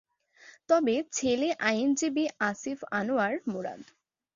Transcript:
তার ছেলে আইনজীবী আসিফ আনোয়ার মুরাদ।